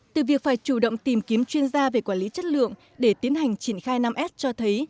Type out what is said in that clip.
từ việc phải chủ động tìm kiếm chuyên gia về quản lý chất lượng để tiến hành triển khai năm s cho thấy